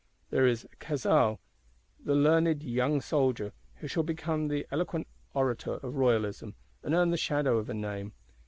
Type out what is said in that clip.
There is Cazalès, the learned young soldier; who shall become the eloquent orator of Royalism, and earn the shadow of a name.